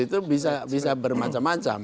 itu bisa bermacam macam